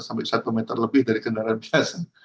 sampai satu meter lebih dari kendaraan fashion